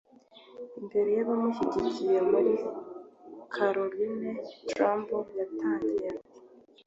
Imbere y’abamushyigikiye muri Carolina Trump yagize ati